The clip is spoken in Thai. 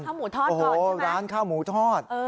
ข้าวหมูทอดก่อนใช่ไหมโอ้โหร้านข้าวหมูทอดเออ